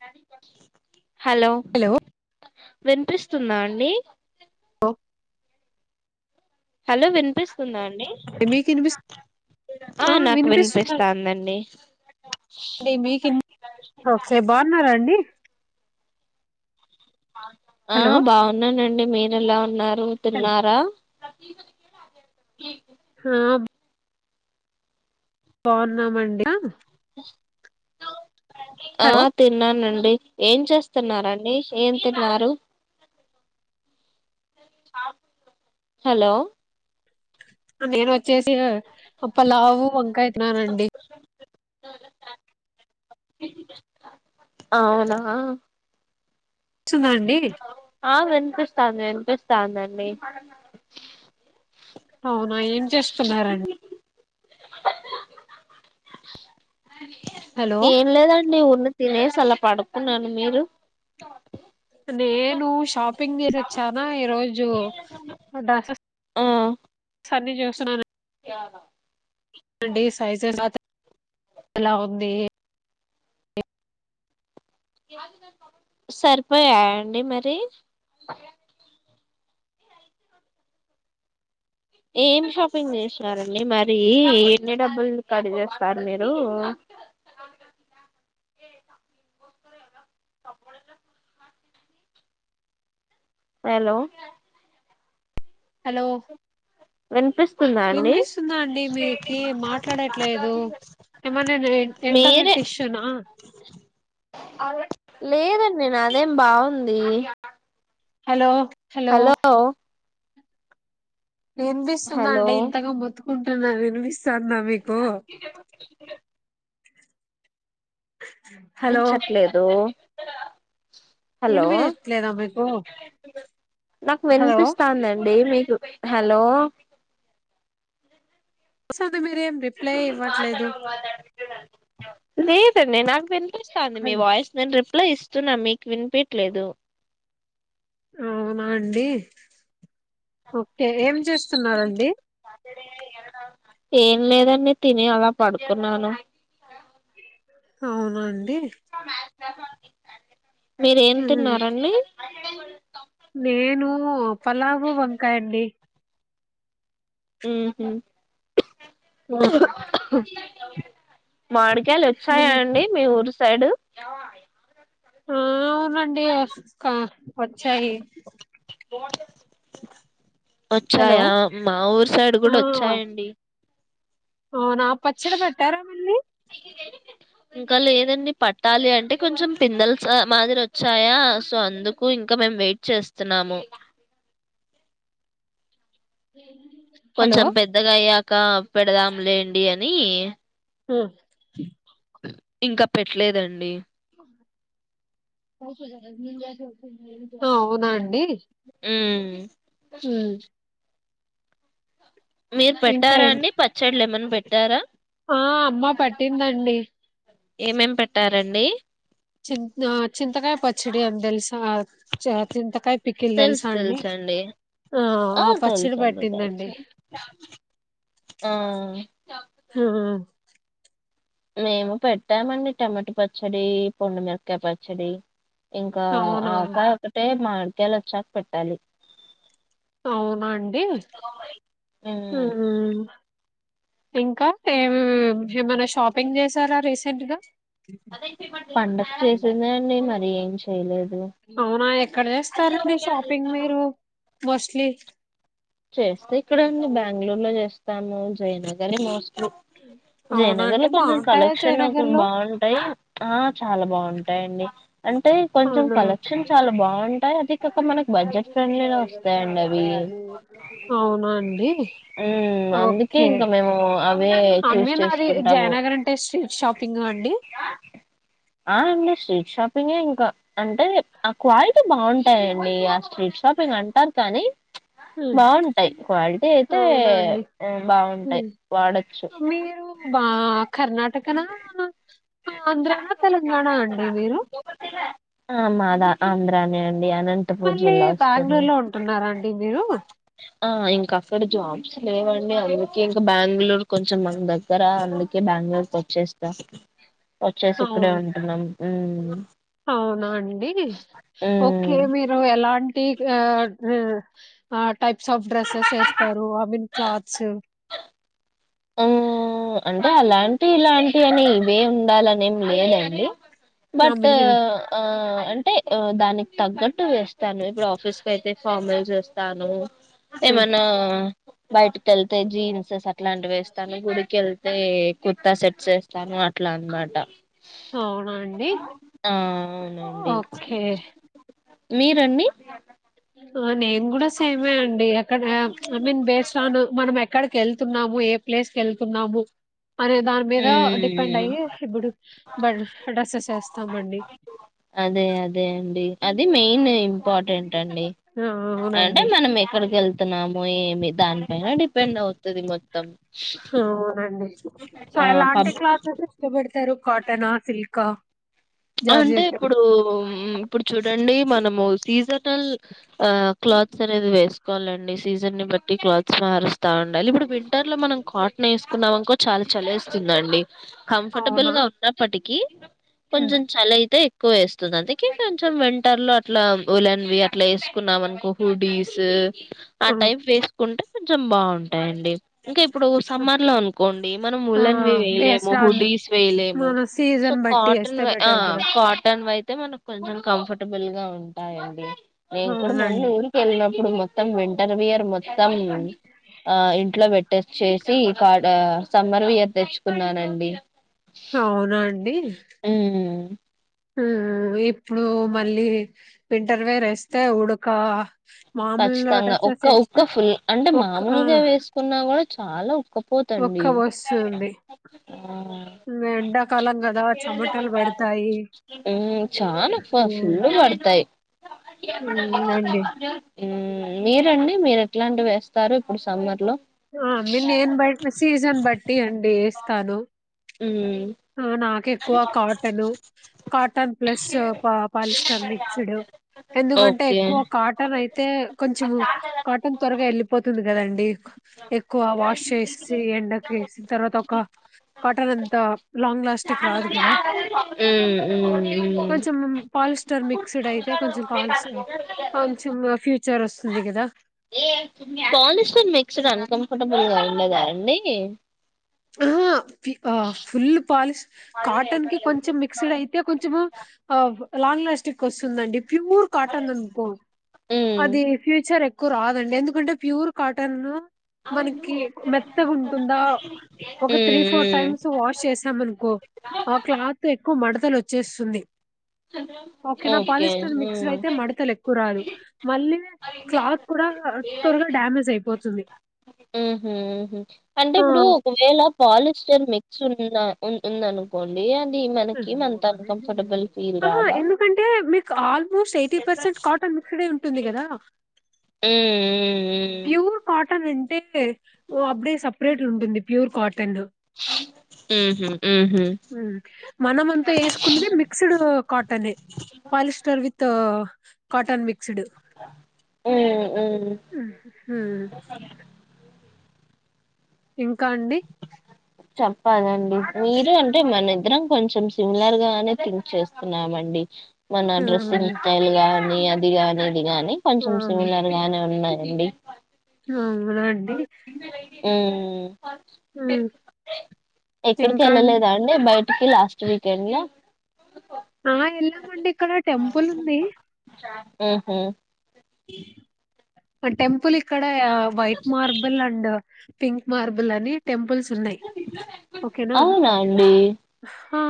నది ప హలో వినిపిస్తుందా అండి ఆ హలో వినిపిస్తుందాన్ మీకు వినిపిస్ ఆ నాకు వినిపిస్తాందండి ఒకే బాన్నారండి ఆ హలో బాగున్నానన్ మీరు ఎలా ఉన్నారు మీరు తిన్నారా ప్రతక హ బాగున్నామండి ఆ హలో ఆ తిన్నానండి ఏం చేస్తున్నరండి ఏం తిన్నారు హలో నేను వచ్చేసి అప్ప లావు వంకా తిన్నానండి అవునా స్తుందండి ను వినిపిస్తాందండి అ ఆ ఏం చేస్తున్నారండి హలో ఏం లేదండి ఉన్న తినే సల పడుకున్నాను మీరు నేను షాపింగ్ చేసిచ్చొనా ఈ రోజు జో స ఆ సన్ని చూస్తున్నా తలా ఉంది సరిపోయాయా అండి మరి ఏమి షాపింగ్ చేసినారండి మరి ఎన్ని డబ్బులు కడి చేస్తారు మీరు హలో హలో వినిపిస్తుందా అండి వినిపిస్తుందా అండి మీరకి మాట్లాడట్లేదు ఏమన్ననెను్ మీరే ఇంటర్నెట్ ఇష్యూనా లేదండి నాదేం బాగుంది హలో హలో వినిపిస్తుంద హలో అండి ఇంతగా మొతు కుంటున్నారు న సన్నమికు హలో చెట్లేదు హలో వినిపియట్లేదా మీకు నాకు హలో వినిపిస్తాందండి మీ హలో స అ మీర ఏం రిప్లై ఇవ్వట్లేదు లేదన్న నాకు విని స్తంది మీ హలో వాయిస్ అప్ల ఇస్తున్నా మీకు వినిపట్లేదు అవునా అండి ఓకే ఏం చేస్తున్నండి ఏం లేదండి తిని అలా పడుకున్నాను అవునండి ఇ మీరేం ఉమ్. తిన్నారండి అ నేను పలావు వంకాయండి ఉ హు ఉమ్. మాడికాయలు మీ వచ్చాయా అండి మీ ఊరు సైడు యా ఆ చనండి వచ్చాయి హలో వచ్చాయా మా ఊరు సైడ్ కూడా వచ్చాయండి ఆ నా పచ్చడి పెట్టారా మళ్ళీ ఇంకా లేదండి పట్టాలి అంటే కొంచెం పిందలు మాదిరి వచ్చాయా సో అందుకు ఇంకా మేము వెయిట్ చేస్తున్నాము హలో కొంచెం పెద్దగా అయ్యాక పెడదాంలేండి అని నయి ఉ ఇంకా పెట్టలేదండి అవునండి ఉ మీరు ఇంకా ఏం పెట్టారాని పచ్చడి లేమని పెట్ట ఇంటారా ఆ అమ్మా పట్టిందండి ఏమేం పెట్టారండి చింత చింతకాయ పచ్చడి అందెల్సా చింతకాయ పికిల్ తెలుసు తెలుసా అండి తెలుసండి ఆ తెలుసండి తెలుసు ఆ ఆ, మేము పెట్టామండి టమాటా పచ్చడి పొండుమిరకాయ పచ్చడి ఇంకా అవునా ఆకాయ ఒక్కటే మా నేలోచ్చక పెట్టాలి అవునాండి అండి ఉమ్ హ్మ్ ఇంకా ఏమ్ బుజ్జి ఏమన్నా షాప్ పింగ్ చేశారా రీసెంట్ గా పండక్ చేసిందండి మరి ఏం చేయలే లేదు అవునా ఎక్కడ జేస్తారండి షాపింగ్ మీరు మొస్లీ చేస్తే ఇక్కడే అండి బ్యాంగ్ ళూరులో చేస్తాము జయనగరే మోస్ స్లీ అవునా జయనగర్ అండి కొంచెం బాగుంటాయా కలెక్షన్ నాకు జయనగర్ లో బాగుంటాయి ఆ చాలా బాంటాయండి అం అంటే కొంచెం అవునా కలెక్షన్ చాలా బాం టాయ్ అది కాక మనకి బడ్జెట్ ఫ్రెండ్లీలో వస్తాయండి అవి అవునా అండి ఉమ్ అందుకే ఓకే ఇంకా మేము అవే చూస్ అమ్మే నాది చేసుకుంటాము జయనగర్ అంటే స్ట్రీట్ షాపింగా అండి ఆ అండి స్ట్రీట్ షాపింగే ఇంకా అంటే ఆ క్వాలిటీ బాంటాయండి ఆ ష స్ట్రీట్ షాపింగ్ అంటారు కానీ హ్మ్. బాంటాయ్ క్వాలిటీ అయితే అవునా అండి. బాగుంటాయి హ్మ్. వాడొచ్చు మీరు బా కర్ణాటకనా? ఆంధ్రానా? తెలంగాణ అండి మీరు? ఆ మాదా ఆంధ్రా నే అండి అనంతపూర్ మళ్ళీ జిల్లా బ్యాంగ్ వస్తుంది ళూరు లో ఉంటున్నారా అండి మీరు ఆ ఇంకా అక్కడ జాబ్స్ లేవండి అందుకే ఇంకా బ్యాంగ్ ళూరు కొంచెం మకు దగ్గర అందుకే బ్యాంగ్ ళూరుకి వచ్చేస్తా వచ్చేసి ఇక్కడే అవును. ఉంటున్నాం ఉ అవునా అండి ఉమ్ ఓకే మీరు ఎలాంటి ఆ ఆ టైప్స్ ఆఫ్ డ్రెస్సెస్ ఏస్తారు అబిన్ క్లాత్సూ హ్మ్. అంటే అలాంటి ఇలాం వని ఇవే ఉండాలని ఏం లేదండి ఐ బట్ మీన్ ఆ అంటే దానికి తగ్గట్టు వేస్ త్తాను ఇప్పుడు ఆఫీస్ కెల్తే అయితే ఫార్మల్ జేస్తాను హ్మ్. ఏమన్నా బైయటి కెల్తే జీన్స్ సెస్ ఇట్లాంటి వేస్తాను అయితే కుర్తా సెట్ చేస్తాను అట్లా అనమాట అవునా అండి అవునండి. ఓకే మీరండి ఆ నే మేం కూడా సేమే అండి ఎక్కడ ఐ మీన్ బేస్ ఆన్ మనం ఎక్కడికి వెళ్ వెతున్నాము ఏ ప్లేస్ కి వెళ్తున్నాము అనే దాని మీద డిపెండ్ హ్మ్. అయ్యి ఇప్పుడు బ డ్రెస్సెస్ వేస్తామండి అదే అదే అండి. అది మెయినే ఇంపార్టెంట్ అండి ఆ అంటే అవునండి మనం ఎక్కడికి వెళ్తున్నామో ఏమి దానిపైన డిపెండ్ అవుతుది మొత్తం ఆ, అవునండి సో ఆ ఎలాంటి పబ్ క్లాత్ అయితే ఇష్టపడతారు కాటనా సిల్క్ క అంటే ఇప్పుడు మ్మ్ ఇప్పుడు చూడండి మనము సీజనల్ ఆ క్లాత్స్ అనేది వేస్ట్ కోవాలండి సీజన్ ని బట్టి క్లాత్స్ మారుస్తా ఉండాలి ఇప్పుడు వింటర్ లో మనం కాటన్ వేసుకున్నాం అనుకో చాలా చలేస్తుందండి కంఫర్టబుల్ అవునా గా ఉన్నప్పటికీ ఉమ్. కొంచెం చలి అయితే ఎక్కువ వేస్తుంది అందుకే కొంచెం వింటర్ లో అట్లా ఉలెన్వి అట్లా వేసుకున్నాం అనుకో హుడీస్ ఆ ఉమ్. టైం వేసుకుంటే కొంచెం బావుంటాయండి ఇంకా ఇప్పుడు సమ్మర్ లో అనుకోండి మనం ఆ ఉలెన్వి వేయలేము బేస్డ్ ఆన్ హుడీస్ వేయలేము మన సో సీజన్ బట్టి కాటన్ వేస్తే వే ఆ బెటర్ కదా కాటన్ అవయితే మనకు కొంచెం కంఫర్టబుల్ గా ఉంటాయండి నేను కూడా మొన్న అవునండి ఊరికి వెళ్ళినప్ ఇప్పుడు మొత్తం వింటర్ వియర్ మొత్తం ఆ ఇంట్లో పెట్టొచ్చేసి కాట సమ్మర్ వియర్ తెచ్చుకున్నానండి. అవునా అండి హ్మ్ హ్మ్ హ్మ్ ఇప్పుడు మళ్ళీ వింటర్ వేరేస్తే ఉడక మామూలు ఖచ్చితంగా డ్రెస్సెస్ ఉక్క ఏస్తే ఉక్క ఫుల్ అంటే ఒక్క ఆ! మామూలుగా వేసుకున్నా కూడా చాలా ఉక్క ఒక్క పోతండి వస్తుంది. ఇంగ ఎండాకాలం గదా చెమటలు పడతాయి. ఉ చానా బ్బా హ్మ్. ఫుల్లు పడతాయి హ్మ్. అండి. ఉ మీరండి మీరు ఎట్లాంటివి వేస్తారు ఇప్పుడు సమ్మర్ లో మీ నేను బట్ సీజన్ బట్టి అండి వేస్తాను ఉ నాకు ఎక్కువ cotton cotton plus polyester mixed ఎందుకంటే ఓకే ఎక్కువ కాటన్ అయితే కొంచం కాటన్ త్వరగా వెళ్ళిపోతుంది కదండి ఎక్కువ వాష్ చేసి ఎండకు వేసిన తర్వాత ఒక కాటన్ అంతా లాంగ్ లాస్టింగ్ రాదు కదా మ్మ్ మ్మ్ మ్మ్ కొంచెం పాలిస్టర్ మిక్స్డ్ అయితే కొంచెం కాలస్ కొంచెం ఫ్యూచర్ వస్తుంది కదా పాలిస్టిన్ మిక్స్డ్న్ కంఫర్టబుల్ గా ఉండదా అండి ఆహా ఫుల్ పాలిష్ కాటన్ కి కొంచెం మిక్స్డ్ అయితే కొంచెము ఆ లాంగ్ లాస్టిక్ వస్తుందండి ప్యూర్ కాటన్కో మ్మ్ అది ఫ్యూచర్ ఎ రాదండి ఎందుకంటే ప్యూర్ కాటన్ మ్మ్ మనకి మెత్తగా ఉంటుందా ఒక త్రీ ఫోర్ మ్మ్ టైమ్స్ వాష్ చేసా మనుకో ఆ క్లాత్ ఎక్కువ మడతలు వచ్చేస్తుంది ఓకే నా పాలిస్టర్ మిక్స్డ్ అయితే మడతలు ఎక్కువ రాదు మళ్ళీ క్లాత్ కూడా త్వరగా డ్యామేజ్ అయిపోతుంది ఉ అంటే ఆ. ఇప్పుడు ఒకవేళ పాలిస్టర్ మిక్స్ ఉంద ఉ ఉంటుందనుకోండి అ ఆహా రాదా ఎందుకంటే మీకు ఆల్మోస్ట్ ఏయిటి పర్సెంట్ కాటన్ గుడ్డనే ఉంటు ఉ ఉ ప్యూర్ కాట్ టన్ అంటే ఓ అప్పుడే సపరేట్ ఉంటుంది ప్యూర్ కాటన్ హ్మ్ ఊహు మన వసుకు mixed cotton polyester with cotton mixed ఉ ఉ ఇంకా అండి చెప్పాలండి మీరు అంటే మన ఇద్దరం కొంచెం సిమిలర్ గానే థింక్ చేస్తున్నామండి మన హ్మ్ డ్రెస్సింగ్ స్టైల్ గా నీ అదిగాని ఇది గాని ఆ కొంచెం సిమిలర్ గానే ఉన్నాయండి అవు నా అండి ఉం ఉం ఎక్కడికి ఎళ్ళలేదా అండి బయటికి లాస్ట్ వీకెండ్ ల ఆ ఎళ్ళామండి ఇక్కడ టెంపుల్ ఉంది ఓహో టెంపులిక్ క్కడ white marble and pink marble అని టెంపుల్స్ ఉన్నయ్ ఓకేనా అవునా అండి ఆ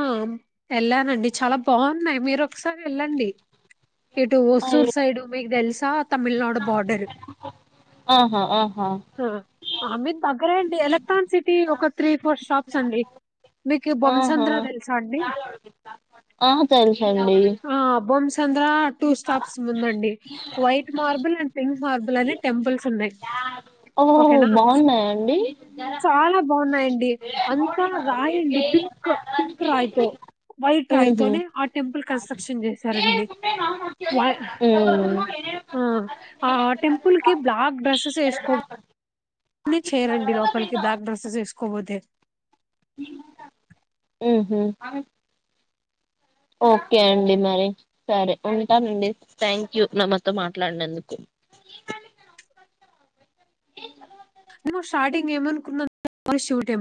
వెళ్ళానండి చాలా బాగున్నాయి మీరు ఒకసారి ఎళ్ళండి ఇటు ఒసూర్ అయ్యో సైడ్ మిక్ తెల్సా తమిళనాడు బార్డర్ ఆహా ఆహా అ ఆ మీక్ దగ్గరే అండీ ఎలక్ట్రాన్ సిటి ఒక త్రి ఫోర్ స్టాప్స్ అండీ మీకు ఆహా బోంసద్రం తెల్సా అండీ ఆ తెలుసండి ఆ బోం సంద్రా టూ స్టాప్స్ ముందండి వైట్ మార్బుల్ అ మార్బుల్ అనే టెంపుల్స్ ఉన్నయి ఒ బాగున్నాయండి డి అంతా రాయండి పింక్ పింక్ రాయితో వైట్ రాయి ఊహు తోనే ఆ టెంపుల్ కన్స్ట్రక్షన్ చేసారండి వా ఆ ఆ టెంపుల్ కి బ్లాక్ డ్రెస్సెస్ వేసుకో ని చేయరండి లోపలికి బ్లాక్ డ్రెస్సెస్ వేసుకోపోతే ఉహు ఓకే అండి మరి సరే ఉంటానండి థ్యాంక్ యూ నామతో మాట్లాడినందుకు నువ్ స్టార్టింగ్ ఏమనుకున్నాం శుటెమ్